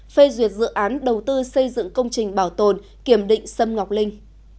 phê duyệt dự án đầu tư xây dựng công trình bảo tồn kiểm định sâm ngọc linh